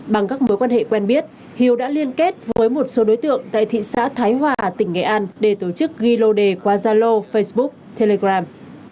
bằng các mối quan hệ quen biết hiếu đã liên kết với một số đối tượng tại thị xã thái hòa tỉnh nghệ an để tổ chức ghi lô đề qua zalo facebook telegram